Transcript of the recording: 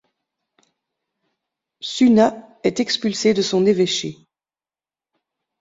Sunna est expulsé de son évêché.